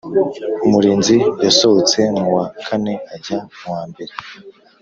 Umurinzi yasohotse mu wa kane ajya muwa mbere